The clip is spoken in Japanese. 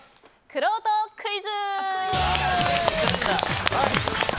くろうとクイズ！